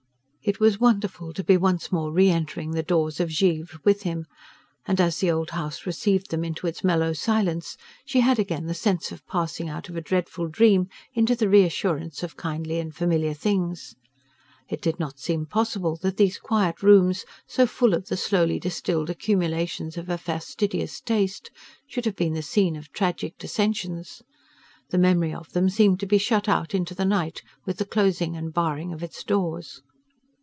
It was wonderful to be once more re entering the doors of Givre with him, and as the old house received them into its mellow silence she had again the sense of passing out of a dreadful dream into the reassurance of kindly and familiar things. It did not seem possible that these quiet rooms, so full of the slowly distilled accumulations of a fastidious taste, should have been the scene of tragic dissensions. The memory of them seemed to be shut out into the night with the closing and barring of its doors.